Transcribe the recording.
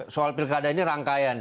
soal pilkada ini rangkaian